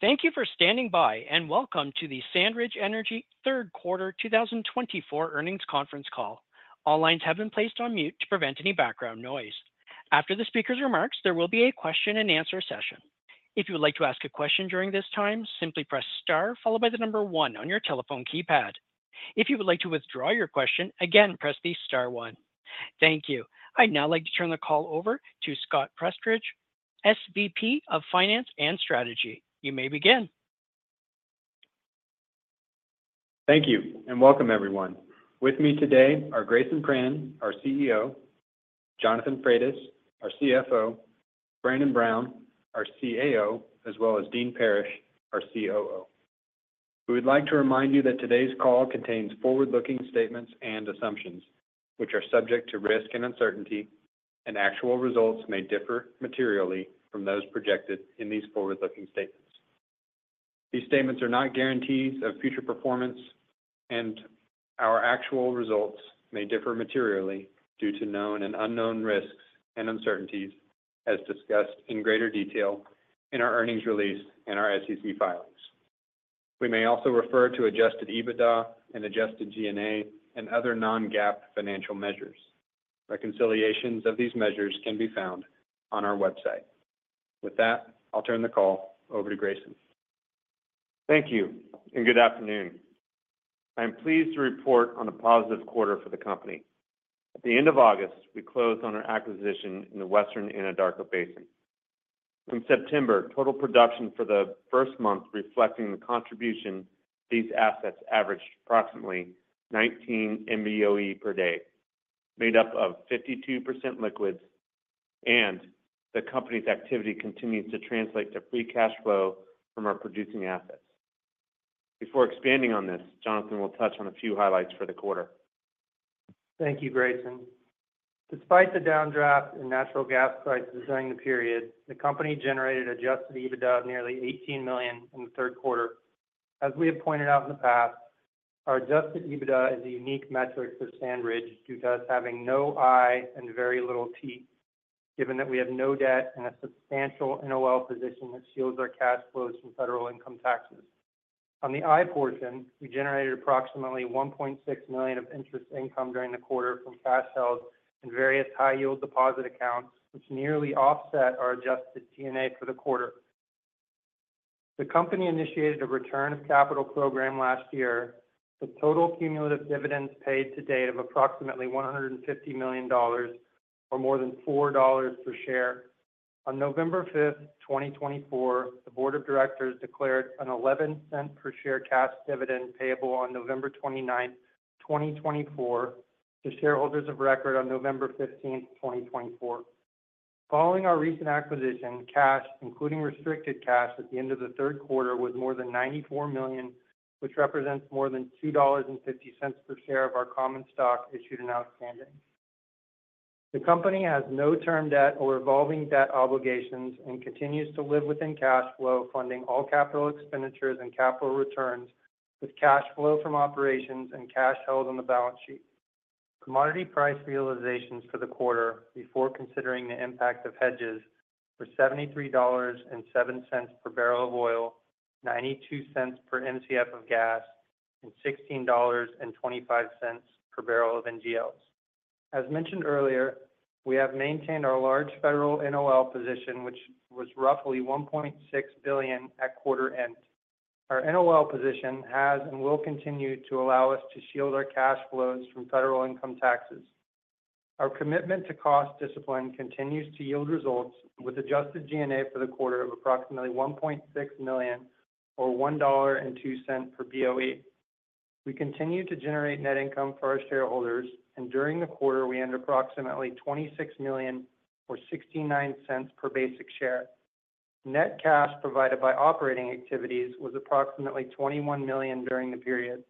Thank you for standing by, and welcome to the SandRidge Energy Q3 2024 earnings conference call. All lines have been placed on mute to prevent any background noise. After the speaker's remarks, there will be a Q&A session. If you would like to ask a question during this time, simply press * followed by the number one on your telephone keypad. If you would like to withdraw your question, again, press the *1. Thank you. I'd now like to turn the call over to Scott Prestridge, SVP of Finance and Strategy. You may begin. Thank you, and welcome, everyone. With me today are Grayson Pranin, our CEO, Jonathan Frates, our CFO, Brandon Brown, our CAO, as well as Dean Parrish, our COO. We would like to remind you that today's call contains forward-looking statements and assumptions, which are subject to risk and uncertainty, and actual results may differ materially from those projected in these forward-looking statements. These statements are not guarantees of future performance, and our actual results may differ materially due to known and unknown risks and uncertainties, as discussed in greater detail in our earnings release and our SEC filings. We may also refer to adjusted EBITDA and adjusted G&A and other non-GAAP financial measures. Reconciliations of these measures can be found on our website. With that, I'll turn the call over to Grayson. Thank you, and good afternoon. I am pleased to report on a positive quarter for the company.At the end of August, we closed on our acquisition in the Western Anadarko Basin. From September, total production for the first month, reflecting the contribution these assets, averaged approximately 19 MBOE per day, made up of 52% liquids, and the company's activity continues to translate to free cash flow from our producing assets. Before expanding on this, Jonathan will touch on a few highlights for the quarter. Thank you, Grayson. Despite the downdraft in natural gas prices during the period, the company generated Adjusted EBITDA of nearly $18 million in Q3. As we have pointed out in the past, our Adjusted EBITDA is a unique metric for SandRidge due to us having no I and very little T, given that we have no debt and a substantial NOL position that shields our cash flows from federal income taxes. On the I portion, we generated approximately $1.6 million of interest income during the quarter from cash held in various high-yield deposit accounts, which nearly offset our Adjusted G&A for the quarter. The company initiated a return of capital program last year, with total cumulative dividends paid to date of approximately $150 million, or more than $4 per share. On November 5, 2024, the Board of Directors declared a $0.11 per share cash dividend payable on November 29, 2024, to shareholders of record on November 15, 2024. Following our recent acquisition, cash, including restricted cash at the end of Q3, was more than $94 million, which represents more than $2.50 per share of our common stock issued and outstanding. The company has no term debt or revolving debt obligations and continues to live within cash flow, funding all capital expenditures and capital returns with cash flow from operations and cash held on the balance sheet. Commodity price realizations for the quarter, before considering the impact of hedges, were $73.07 per barrel of oil, $0.92 per MCF of gas, and $16.25 per barrel of NGLs. As mentioned earlier, we have maintained our large federal NOL position, which was roughly $1.6 billion at quarter end. Our NOL position has and will continue to allow us to shield our cash flows from federal income taxes. Our commitment to cost discipline continues to yield results, with adjusted G&A for the quarter of approximately $1.6 million, or $1.02 per BOE. We continue to generate net income for our shareholders, and during the quarter, we earned approximately $26 million, or $0.69 per basic share. Net cash provided by operating activities was approximately $21 million during the period.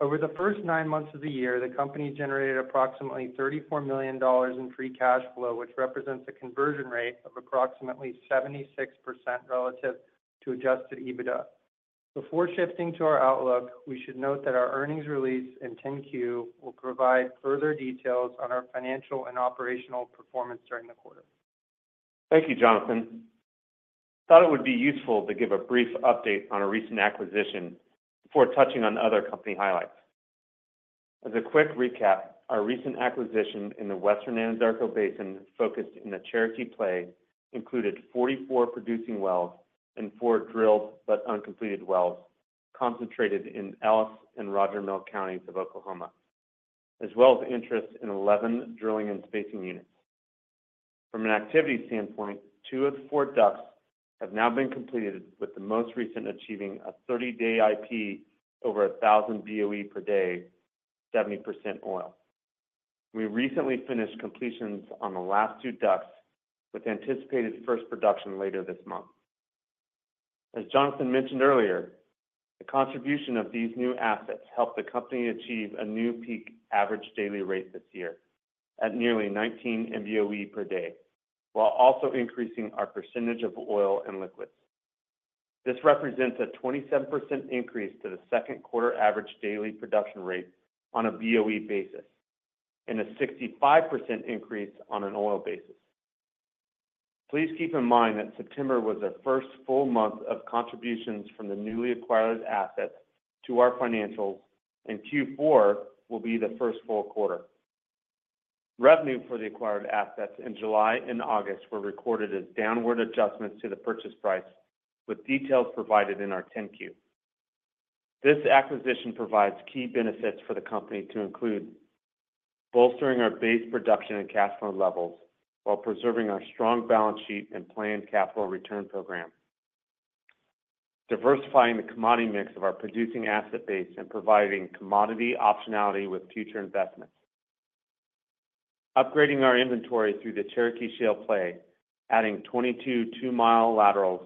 Over the first nine months of the year, the company generated approximately $34 million in free cash flow, which represents a conversion rate of approximately 76% relative to adjusted EBITDA. Before shifting to our outlook, we should note that our earnings release in 10-Q will provide further details on our financial and operational performance during the quarter. Thank you, Jonathan. I thought it would be useful to give a brief update on a recent acquisition before touching on other company highlights. As a quick recap, our recent acquisition in the Western Anadarko Basin, focused in the Cherokee Play, included 44 producing wells and four drilled but uncompleted wells, concentrated in Ellis County and Roger Mills County of Oklahoma, as well as interest in 11 drilling and spacing units. From an activity standpoint, two of the four DUCs have now been completed, with the most recent achieving a 30-day IP over 1,000 BOE per day, 70% oil. We recently finished completions on the last two DUCs, with anticipated first production later this month. As Jonathan mentioned earlier, the contribution of these new assets helped the company achieve a new peak average daily rate this year at nearly 19 MBOE per day, while also increasing our percentage of oil and liquids. This represents a 27% increase to the Q2 average daily production rate on a BOE basis and a 65% increase on an oil basis. Please keep in mind that September was the first full month of contributions from the newly acquired assets to our financials, and Q4 will be the full Q1. Revenue for the acquired assets in July and August were recorded as downward adjustments to the purchase price, with details provided in our 10-Q. This acquisition provides key benefits for the company, to include bolstering our base production and cash flow levels while preserving our strong balance sheet and planned capital return program, diversifying the commodity mix of our producing asset base, and providing commodity optionality with future investments, upgrading our inventory through the Cherokee Shale Play, adding 22 two-mile laterals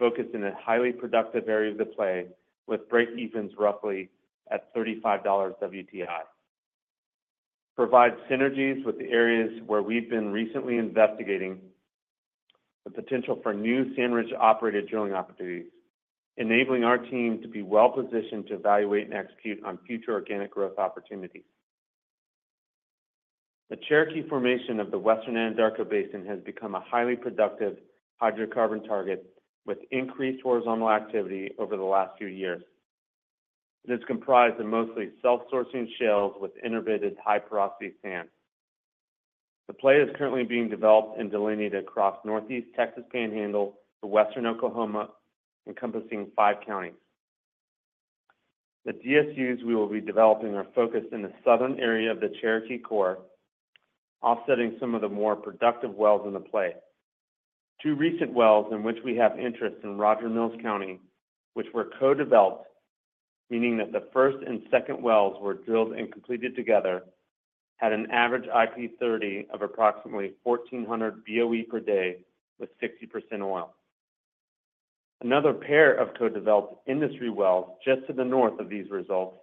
focused in a highly productive area of the play, with break-evens roughly at $35 WTI, provide synergies with the areas where we've been recently investigating, the potential for new SandRidge-operated drilling opportunities, enabling our team to be well-positioned to evaluate and execute on future organic growth opportunities. The Cherokee formation of the Western Anadarko Basin has become a highly productive hydrocarbon target, with increased horizontal activity over the last few years. It is comprised of mostly self-sourcing shales with interbedded high porosity sands. The play is currently being developed and delineated across Northeast Texas Panhandle to Western Oklahoma, encompassing five counties. The DSUs we will be developing are focused in the southern area of the Cherokee Core, offsetting some of the more productive wells in the play. Two recent wells in which we have interest in Roger Mills County, which were co-developed, meaning that the first and second wells were drilled and completed together, had an average IP30 of approximately 1,400 BOE per day with 60% oil. Another pair of co-developed industry wells just to the north of these results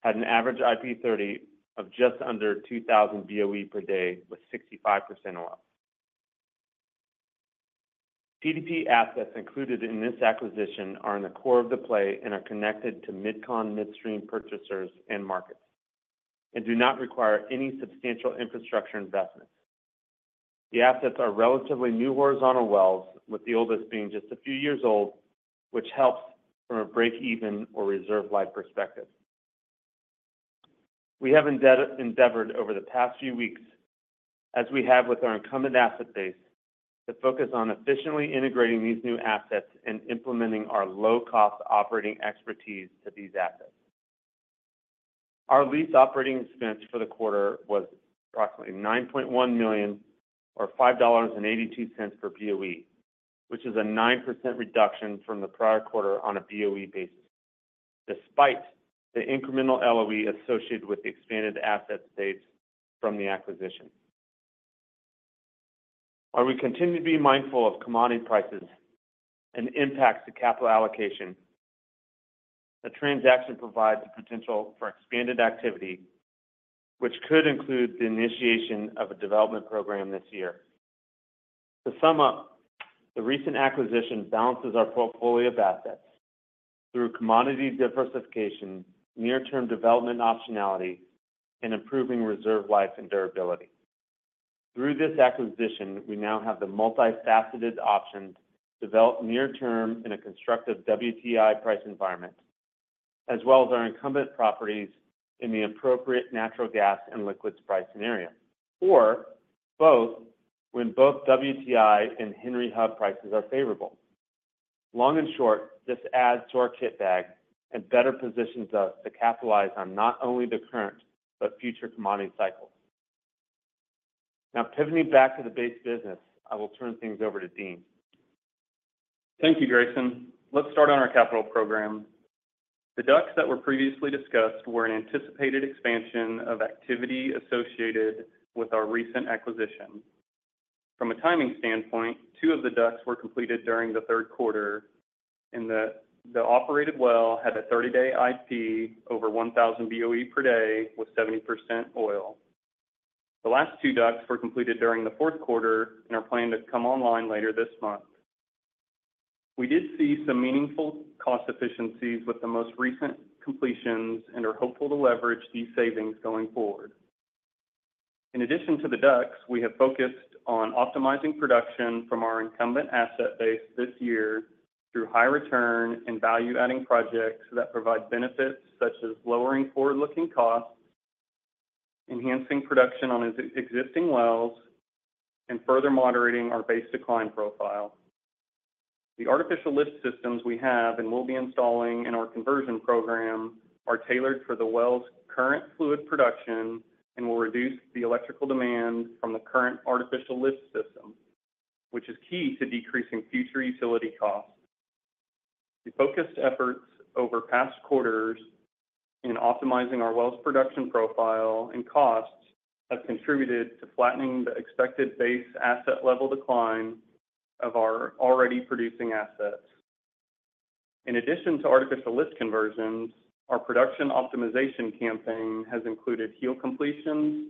had an average IP30 of just under 2,000 BOE per day with 65% oil. PDP assets included in this acquisition are in the core of the play and are connected to Mid-Con/midstream purchasers and markets and do not require any substantial infrastructure investments. The assets are relatively new horizontal wells, with the oldest being just a few years old, which helps from a break-even or reserve life perspective. We have endeavored over the past few weeks, as we have with our incumbent asset base, to focus on efficiently integrating these new assets and implementing our low-cost operating expertise to these assets. Our lease operating expense for the quarter was approximately $9.1 million, or $5.82 per BOE, which is a 9% reduction from the prior quarter on a BOE basis, despite the incremental LOE associated with the expanded asset base from the acquisition. While we continue to be mindful of commodity prices and impacts to capital allocation, the transaction provides the potential for expanded activity, which could include the initiation of a development program this year. To sum up, the recent acquisition balances our portfolio of assets through commodity diversification, near-term development optionality, and improving reserve life and durability. Through this acquisition, we now have the multifaceted option to develop near-term in a constructive WTI price environment, as well as our incumbent properties in the appropriate natural gas and liquids price scenario, or both when both WTI and Henry Hub prices are favorable. Long and short, this adds to our kit bag and better positions us to capitalize on not only the current but future commodity cycles. Now, pivoting back to the base business, I will turn things over to Dean. Thank you, Grayson. Let's start on our capital program. The DUCs that were previously discussed were an anticipated expansion of activity associated with our recent acquisition. From a timing standpoint, two of the DUCs were completed during Q4, and the operated well had a 30-day IP over 1,000 BOE per day with 70% oil. The last two DUCs were completed during Q4 and are planned to come online later this month. We did see some meaningful cost efficiencies with the most recent completions and are hopeful to leverage these savings going forward. In addition to the DUCs, we have focused on optimizing production from our incumbent asset base this year through high-return and value-adding projects that provide benefits such as lowering forward-looking costs, enhancing production on existing wells, and further moderating our base decline profile. The artificial lift systems we have and will be installing in our conversion program are tailored for the well's current fluid production and will reduce the electrical demand from the current artificial lift system, which is key to decreasing future utility costs. The focused efforts over past quarters in optimizing our well's production profile and costs have contributed to flattening the expected base asset level decline of our already producing assets. In addition to artificial lift conversions, our production optimization campaign has included heel completions,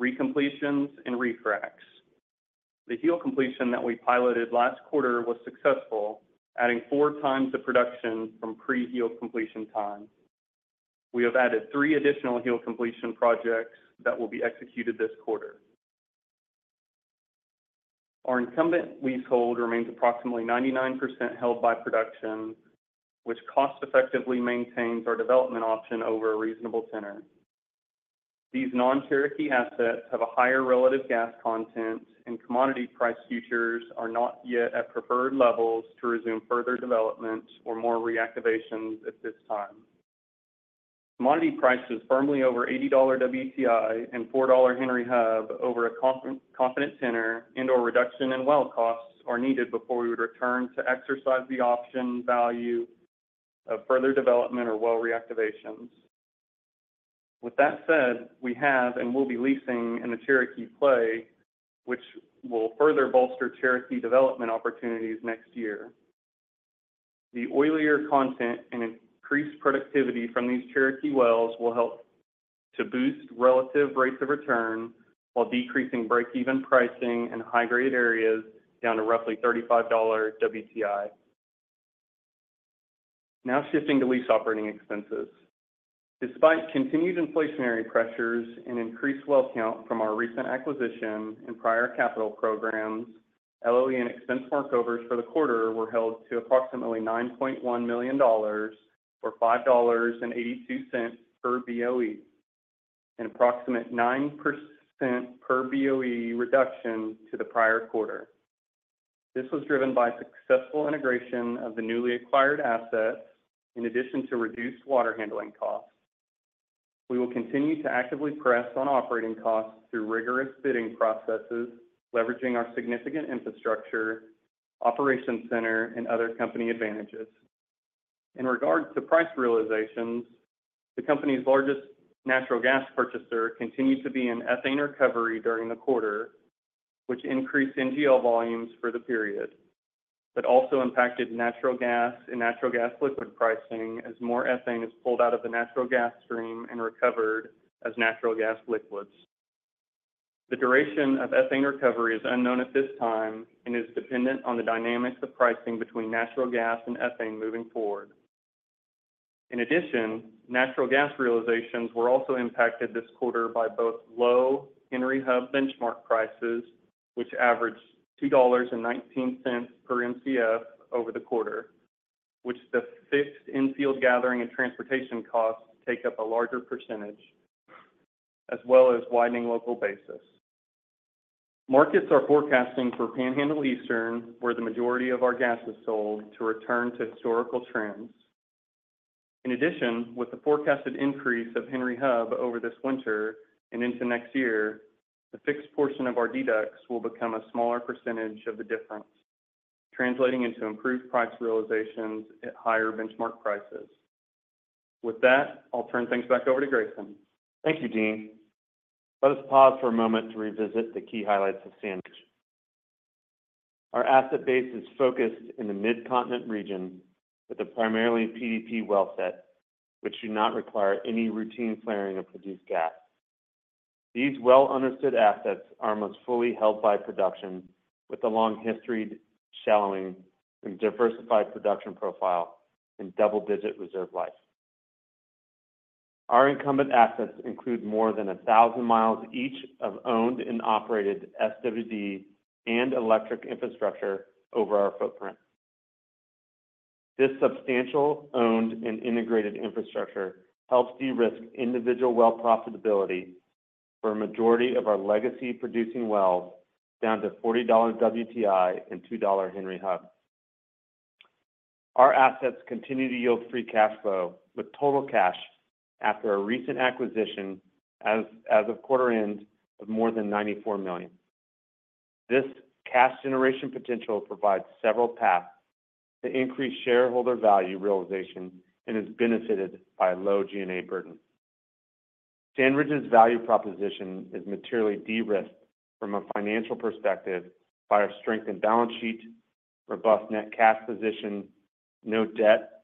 recompletions, and refracs. The heel completion that we piloted last quarter was successful, adding four times the production from pre-heel completion time. We have added three additional heel completion projects that will be executed this quarter. Our incumbent leasehold remains approximately 99% held by production, which cost-effectively maintains our development option over a reasonable tenor. These non-Cherokee assets have a higher relative gas content, and commodity price futures are not yet at preferred levels to resume further development or more reactivations at this time. Commodity prices firmly over $80 WTI and $4 Henry Hub over a confident tenor and/or reduction in well costs are needed before we would return to exercise the option value of further development or well reactivations. With that said, we have and will be leasing in the Cherokee Play, which will further bolster Cherokee development opportunities next year. The oilier content and increased productivity from these Cherokee wells will help to boost relative rates of return while decreasing break-even pricing in high-grade areas down to roughly $35 WTI. Now, shifting to lease operating expenses. Despite continued inflationary pressures and increased well count from our recent acquisition and prior capital programs, LOE and workovers for the quarter were held to approximately $9.1 million, or $5.82 per BOE, an approximate 9% per BOE reduction to the prior quarter. This was driven by successful integration of the newly acquired assets, in addition to reduced water handling costs. We will continue to actively press on operating costs through rigorous bidding processes, leveraging our significant infrastructure, operations center, and other company advantages. In regards to price realizations, the company's largest natural gas purchaser continued to be in ethane recovery during the quarter, which increased NGL volumes for the period, but also impacted natural gas and natural gas liquid pricing as more ethane is pulled out of the natural gas stream and recovered as natural gas liquids. The duration of ethane recovery is unknown at this time and is dependent on the dynamics of pricing between natural gas and ethane moving forward. In addition, natural gas realizations were also impacted this quarter by both low Henry Hub benchmark prices, which averaged $2.19 per MCF over the quarter, where the fixed in-field gathering and transportation costs take up a larger percentage, as well as widening local basis. Markets are forecasting for Panhandle Eastern, where the majority of our gas is sold, to return to historical trends. In addition, with the forecasted increase of Henry Hub over this winter and into next year, the fixed portion of our deducts will become a smaller percentage of the difference, translating into improved price realizations at higher benchmark prices. With that, I'll turn things back over to Grayson. Thank you, Dean. Let us pause for a moment to revisit the key highlights of SandRidge. Our asset base is focused in the Mid-Continent region with a primarily PDP well set, which do not require any routine flaring of produced gas. These well-understood assets are most fully held by production, with a long-history shallowing and diversified production profile and double-digit reserve life. Our incumbent assets include more than 1,000 miles each of owned and operated SWD and electric infrastructure over our footprint. This substantial owned and integrated infrastructure helps de-risk individual well profitability for a majority of our legacy producing wells down to $40 WTI and $2 Henry Hub. Our assets continue to yield free cash flow with total cash after a recent acquisition as of quarter-end of more than $94 million. This cash generation potential provides several paths to increase shareholder value realization and is benefited by a low G&A burden. SandRidge's value proposition is materially de-risked from a financial perspective by our strength and balance sheet, robust net cash position, no debt,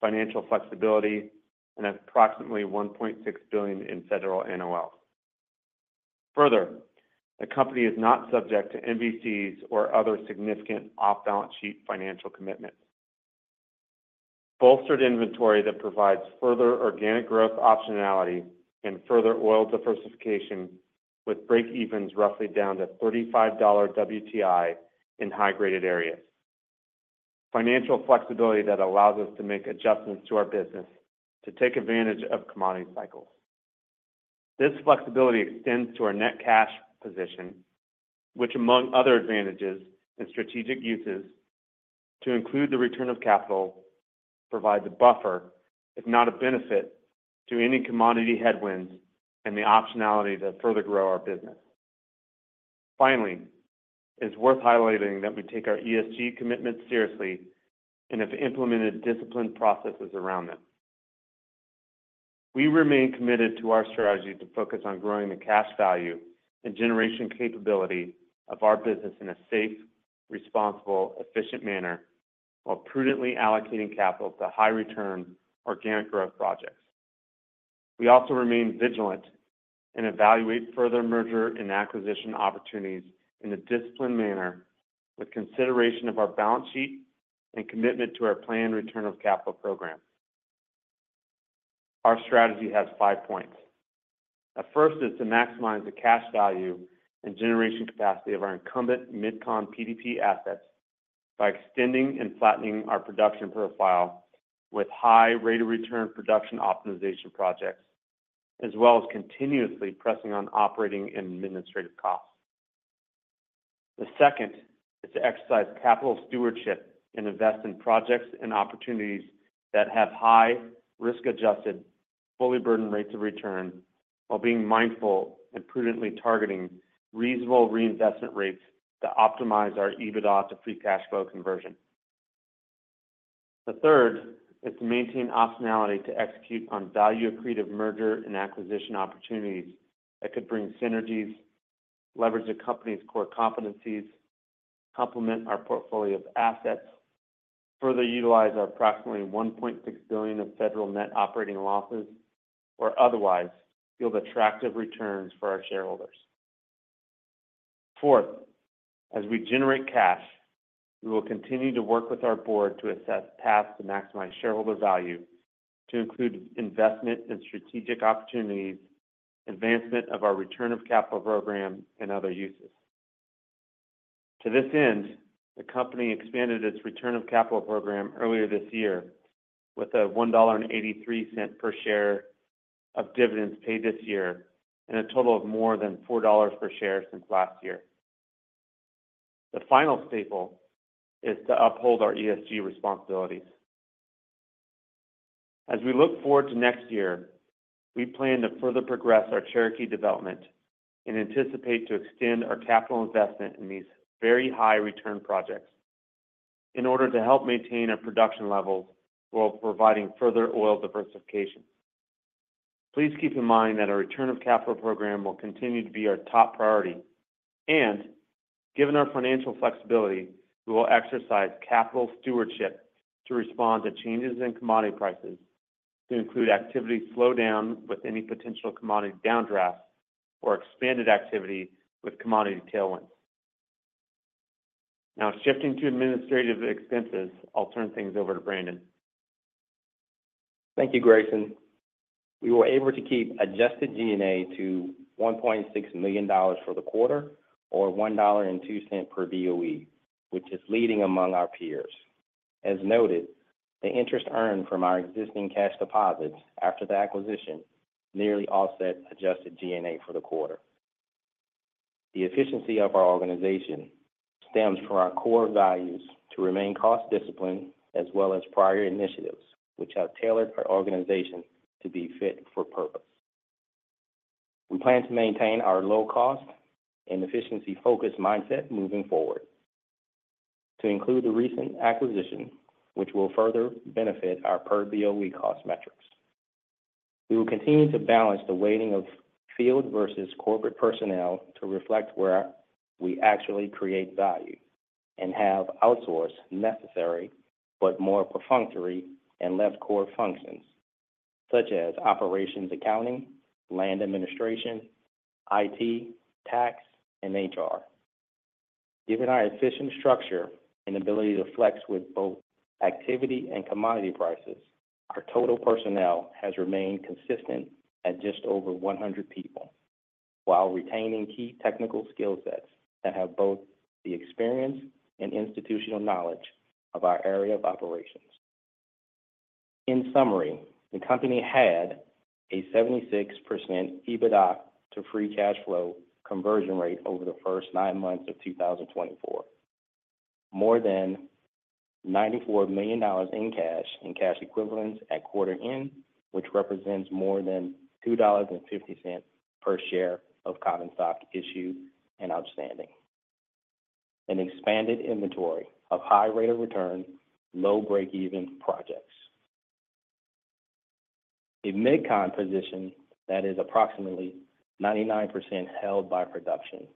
financial flexibility, and approximately $1.6 billion in federal NOLs. Further, the company is not subject to MVCs or other significant off-balance sheet financial commitments. Bolstered inventory that provides further organic growth optionality and further oil diversification with break-evens roughly down to $35 WTI in high-graded areas. Financial flexibility that allows us to make adjustments to our business to take advantage of commodity cycles. This flexibility extends to our net cash position, which, among other advantages and strategic uses, to include the return of capital, provides a buffer, if not a benefit, to any commodity headwinds and the optionality to further grow our business. Finally, it is worth highlighting that we take our ESG commitments seriously and have implemented disciplined processes around them. We remain committed to our strategy to focus on growing the cash value and generation capability of our business in a safe, responsible, efficient manner while prudently allocating capital to high-return organic growth projects. We also remain vigilant and evaluate further merger and acquisition opportunities in a disciplined manner with consideration of our balance sheet and commitment to our planned return of capital program. Our strategy has five points. The first is to maximize the cash value and generation capacity of our incumbent Mid-Con PDP assets by extending and flattening our production profile with high rate of return production optimization projects, as well as continuously pressing on operating and administrative costs. The second is to exercise capital stewardship and invest in projects and opportunities that have high risk-adjusted, fully burdened rates of return while being mindful and prudently targeting reasonable reinvestment rates to optimize our EBITDA to free cash flow conversion. The third is to maintain optionality to execute on value-accretive merger and acquisition opportunities that could bring synergies, leverage the company's core competencies, complement our portfolio of assets, further utilize our approximately $1.6 billion of federal net operating losses, or otherwise yield attractive returns for our shareholders. Fourth, as we generate cash, we will continue to work with our board to assess paths to maximize shareholder value to include investment and strategic opportunities, advancement of our return of capital program, and other uses. To this end, the company expanded its return of capital program earlier this year with a $1.83 per share of dividends paid this year and a total of more than $4 per share since last year. The final staple is to uphold our ESG responsibilities. As we look forward to next year, we plan to further progress our Cherokee development and anticipate to extend our capital investment in these very high-return projects in order to help maintain our production levels while providing further oil diversification. Please keep in mind that our return of capital program will continue to be our top priority, and given our financial flexibility, we will exercise capital stewardship to respond to changes in commodity prices to include activity slowdown with any potential commodity downdrafts or expanded activity with commodity tailwinds. Now, shifting to administrative expenses, I'll turn things over to Brandon. Thank you, Grayson. We were able to keep Adjusted G&A to $1.6 million for the quarter or $1.02 per BOE, which is leading among our peers. As noted, the interest earned from our existing cash deposits after the acquisition nearly offsets Adjusted G&A for the quarter. The efficiency of our organization stems from our core values to remain cost disciplined as well as prior initiatives, which have tailored our organization to be fit for purpose. We plan to maintain our low-cost and efficiency-focused mindset moving forward to include the recent acquisition, which will further benefit our per BOE cost metrics. We will continue to balance the weighting of field versus corporate personnel to reflect where we actually create value and have outsourced necessary but more perfunctory and non-core functions such as operations accounting, land administration, IT, tax, and HR. Given our efficient structure and ability to flex with both activity and commodity prices, our total personnel has remained consistent at just over 100 people while retaining key technical skill sets that have both the experience and institutional knowledge of our area of operations. In summary, the company had a 76% EBITDA to free cash flow conversion rate over the first nine months of 2024, more than $94 million in cash and cash equivalents at quarter-end, which represents more than $2.50 per share of common stock issued and outstanding, an expanded inventory of high rate of return, low break-even projects, a Mid-Con position that is approximately 99% held by production,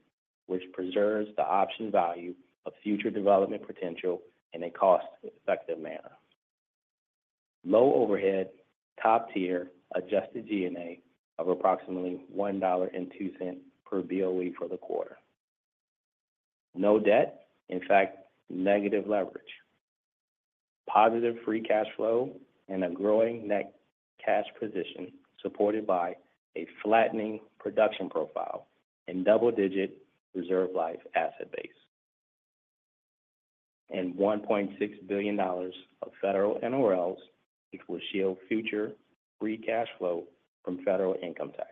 which preserves the option value of future development potential in a cost-effective manner, low overhead, top-tier adjusted G&A of approximately $1.02 per BOE for the quarter, no debt, in fact, negative leverage, positive free cash flow, and a growing net cash position supported by a flattening production profile and double-digit reserve life asset base, and $1.6 billion of federal NOLs, which will shield future free cash flow from federal income tax.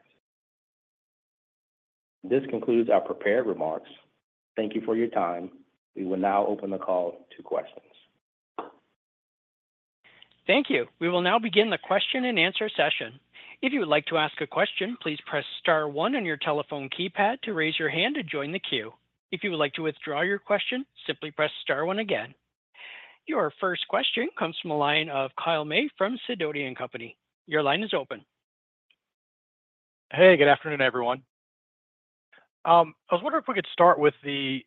This concludes our prepared remarks. Thank you for your time. We will now open the call to questions. Thank you. We will now begin the question and answer session. If you would like to ask a question, please press star one on your telephone keypad to raise your hand to join the queue. If you would like to withdraw your question, simply press star one again. Your first question comes from a line of Kyle May from Sidoti & Company. Your line is open. Good afternoon, everyone. I was wondering if we could start with the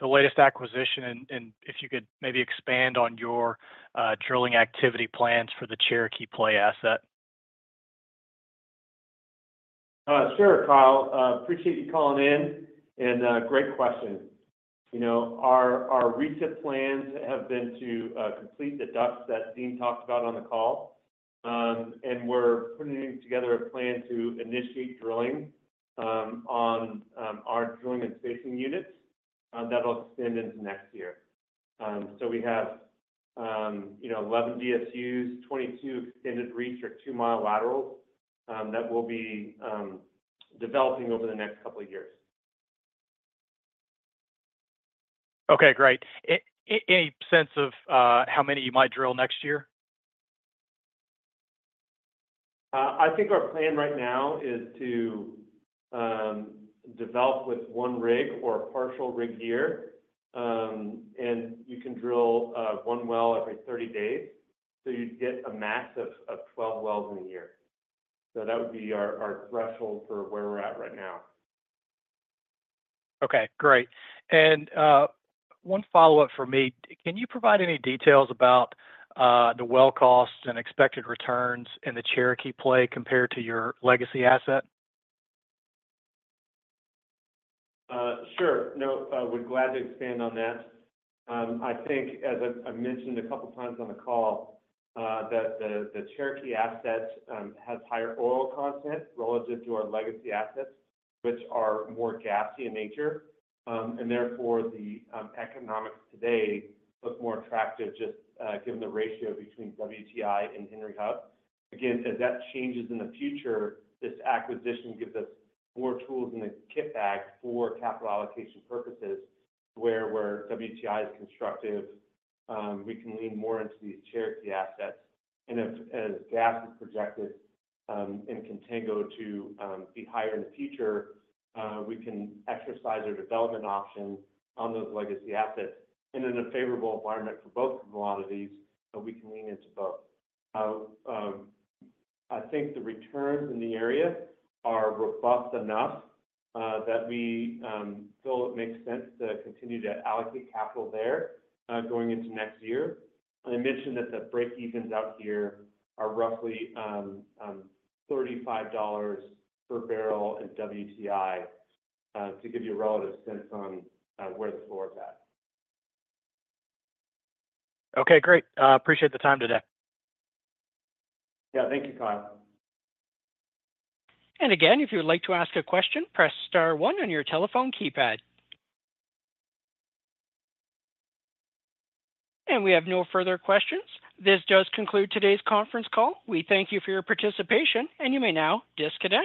latest acquisition and if you could maybe expand on your drilling activity plans for the Cherokee Play asset. Sure, Kyle. Appreciate you calling in, and great question. Our recent plans have been to complete the DUCs that Dean talked about on the call, and we're putting together a plan to initiate drilling on our drilling and spacing units that'll extend into next year, so we have 11 DSUs, 22 extended reach or two-mile laterals that we'll be developing over the next couple of years. Great. Any sense of how many you might drill next year? I think our plan right now is to develop with one rig or a partial rig year, and you can drill one well every 30 days, so you'd get a max of 12 wells in a year, so that would be our threshold for where we're at right now. Okay, great. And one follow-up for me. Can you provide any details about the well costs and expected returns in the Cherokee Play compared to your legacy asset? Sure. No, I would gladly expand on that. I think, as I mentioned a couple of times on the call, that the Cherokee asset has higher oil content relative to our legacy assets, which are more gassy in nature. And therefore, the economics today look more attractive just given the ratio between WTI and Henry Hub. Again, as that changes in the future, this acquisition gives us more tools in the kit bag for capital allocation purposes where WTI is constructive. We can lean more into these Cherokee assets. And as gas is projected in contango to be higher in the future, we can exercise our development option on those legacy assets. And in a favorable environment for both commodities, we can lean into both. I think the returns in the area are robust enough that we feel it makes sense to continue to allocate capital there going into next year. I mentioned that the break-evens out here are roughly $35 per barrel in WTI to give you a relative sense on where the floor is at. Great. Appreciate the time today. Thank you, Kyle. Again, if you would like to ask a question, press star one on your telephone keypad. We have no further questions. This does conclude today's conference call. We thank you for your participation, and you may now disconnect.